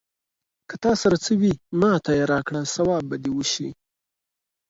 که تا سره څه وي، ماته يې راکړه ثواب به دې وشي.